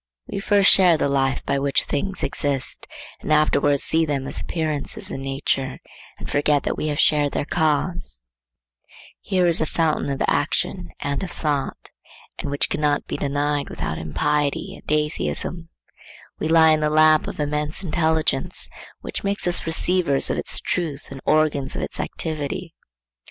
We first share the life by which things exist and afterwards see them as appearances in nature and forget that we have shared their cause. Here is the fountain of action and of thought. Here are the lungs of that inspiration which giveth man wisdom and which cannot be denied without impiety and atheism. We lie in the lap of immense intelligence, which makes us receivers of its truth and organs of its activity.